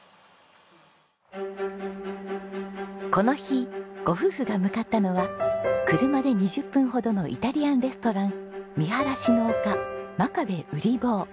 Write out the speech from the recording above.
この日ご夫婦が向かったのは車で２０分ほどのイタリアンレストラン見晴らしの丘真壁うり坊。